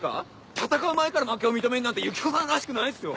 戦う前から負けを認めるなんてユキコさんらしくないっすよ！